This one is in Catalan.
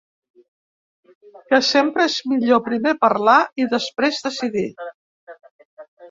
Que sempre és millor primer parlar i després decidir.